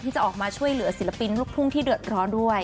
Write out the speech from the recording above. จะออกมาช่วยเหลือศิลปินลูกทุ่งที่เดือดร้อนด้วย